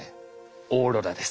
オーロラです。